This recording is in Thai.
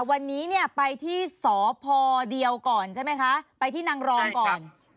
วันนี้เนี่ยไปที่สพเดียวก่อนใช่ไหมคะไปที่นางรองก่อน